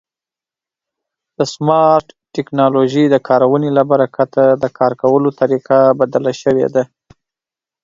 د سمارټ ټکنالوژۍ د کارونې له برکته د کار کولو طریقه بدله شوې ده.